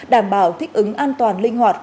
đảm bảo thích ứng an toàn linh hoạt